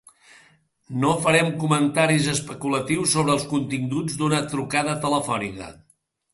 No farem comentaris especulatius sobre els continguts d’una trucada telefònica.